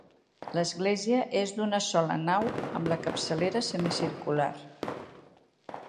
L'església és d'una sola nau amb la capçalera semicircular.